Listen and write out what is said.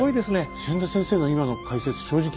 千田先生の今の解説正直